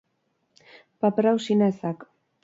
Paper hau sina ezak.